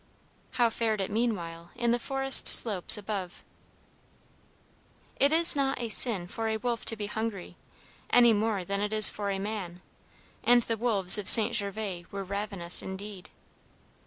How fared it meanwhile in the forest slopes above? It is not a sin for a wolf to be hungry, any more than it is for a man; and the wolves of St. Gervas were ravenous indeed.